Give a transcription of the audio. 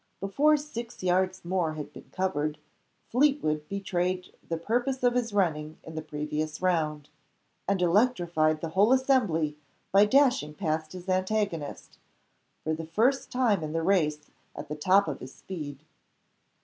Before six yards more had been covered, Fleetwood betrayed the purpose of his running in the previous round, and electrified the whole assembly, by dashing past his antagonist for the first time in the race at the top of his speed.